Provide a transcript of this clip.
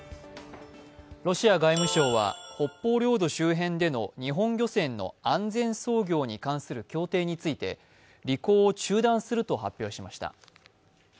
ロシア外務省は北方領土周辺での日本漁船の安全操業に関する協定について履行を中断すると発表しました。